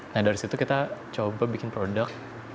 nah dari situ kita coba bikin produk